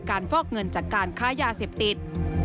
ฟอกเงินจากการค้ายาเสพติด